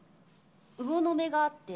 うおの目があって。